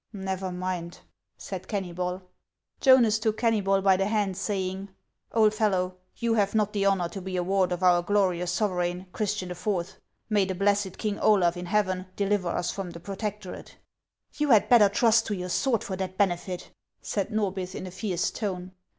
" Xever mind !" said Kennybol. 384 HANS OF ICELAND. Jonas took Kennybol by the hand, saying :" Old fellow, you have not the honor to be a ward of our glorious sovereign, Christian IV. May the blessed king Olaf, in heaven, deliver us from the protectorate !"" You had better trust to your sword for that benefit !" said Norbith, in a fierce tone.